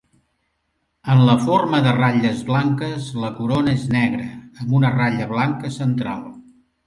En la forma de ratlles blanques, la corona és negra amb una ratlla blanca central.